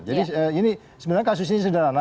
jadi ini sebenarnya kasusnya sederhana